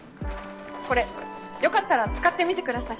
これよかったら使ってみてください。